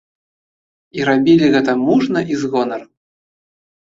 І рабілі гэта мужна і з гонарам.